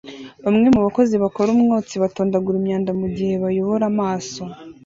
Bamwe mu bakozi bakora umwotsi batondagura imyanda mugihe bayobora amaso